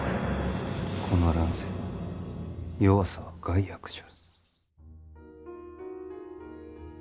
この乱世弱さは害悪じゃ。